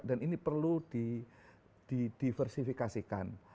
dan ini perlu didiversifikasikan